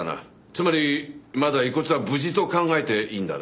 つまりまだ遺骨は無事と考えていいんだな？